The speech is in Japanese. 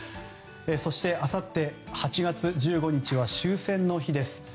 そして、あさって８月１５日は終戦の日です。